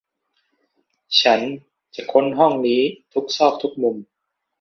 ฉันจะค้นห้องนี้ทุกซอกทุกมุม